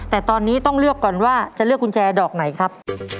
แต่ตอนนี้ต้องเลือกก่อนว่าจะเลือกกุญแจดอกไหนครับ